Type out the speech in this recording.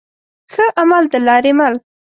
ښه عمل دلاري مل